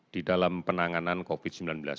di dalam penanganan covid sembilan belas